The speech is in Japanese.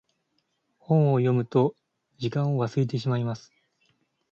本を読むと時間を忘れてしまいます。